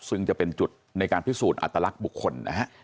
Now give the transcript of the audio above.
ซึ่งจะเป็นจุดในการพิสูจน์อัตลักษณ์บุคคลนะฮะ